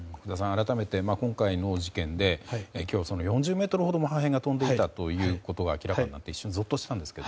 改めて今回の事件で今日４０ｍほども破片が飛んでいたということが明らかになってぞっとしたんですが。